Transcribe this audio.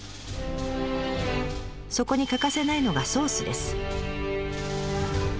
そこに欠かせないのがソースです。